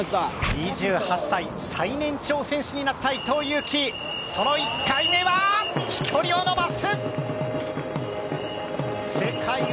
２８歳、最年長選手になった伊藤有希、その１回目は飛距離を延ばす！